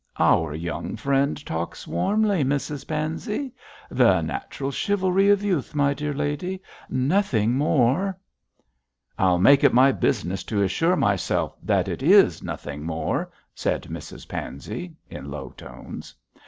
'Our young friend talks warmly, Mrs Pansey. The natural chivalry of youth, my dear lady nothing more.' 'I'll make it my business to assure myself that it is nothing more,' said Mrs Pansey, in low tones.